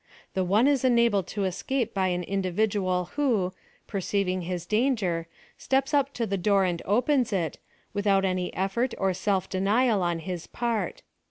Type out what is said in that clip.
The one is enabled to escape by an individual who, perceiving his danger^ steps up to the door and opens it, with out any effort or self denial on his part.